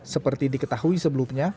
seperti diketahui sebelumnya